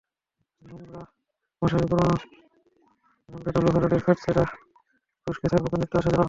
নোংরা মশারি, পুরোনো রংচটা লোহার রডের খাট, ছেঁড়া তোশকে ছারপোকার নিত্য আসা–যাওয়া।